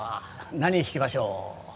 何弾きましょう？